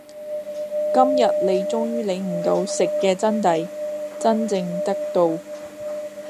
今日你終於領悟到食嘅真諦，真正得道